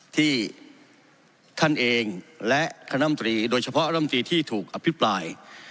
ที่ท่านเองและคณะมตรีโดยเฉพาะร่ำตีที่ถูกอภิปราย